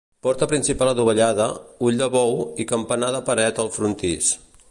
Porta principal adovellada, ull de bou i campanar de paret al frontis.